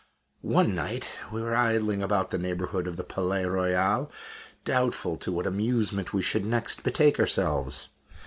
One night we were idling about the neighborhood of the Palais Royal, doubtful to what amusement we should next betake ourselves.